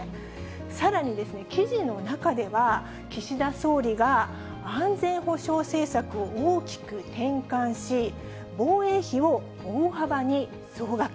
さらに、記事の中では、岸田総理が安全保障政策を大きく転換し、防衛費を大幅に増額。